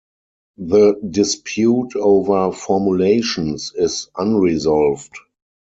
The dispute over formulations is unresolved.